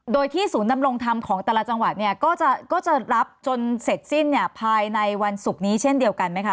โดยที่ศูนย์ดำรงธรรมของแต่ละจังหวัดเนี่ยก็จะรับจนเสร็จสิ้นเนี่ยภายในวันศุกร์นี้เช่นเดียวกันไหมคะ